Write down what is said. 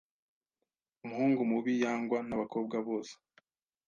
Umuhungu mubi yangwa nabakobwa bose